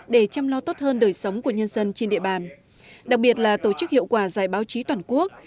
để chăm lo tốt hơn đời sống của nhân dân trên địa bàn đặc biệt là tổ chức hiệu quả giải báo chí toàn quốc